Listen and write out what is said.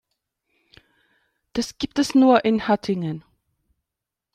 Das gibt es nur in Hattingen